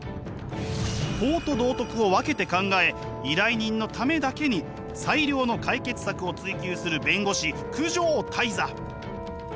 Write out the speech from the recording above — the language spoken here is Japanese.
法と道徳を分けて考え依頼人のためだけに最良の解決策を追求する弁護士九条間人。